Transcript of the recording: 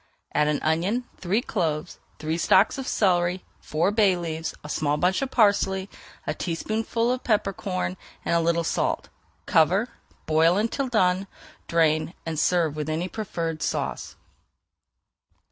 Add an onion, three cloves, three stalks of celery, four bay leaves, a small bunch of parsley, a teaspoonful of peppercorns, and a little salt. Cover, boil until done, drain, and serve with any preferred sauce.